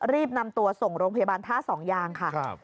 รีบนำตัวส่งโรงพยาบาลท่าสองยางค่ะ